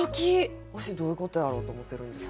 わし「どういうことやろう？」と思ってるんですけど。